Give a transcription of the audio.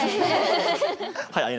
はい。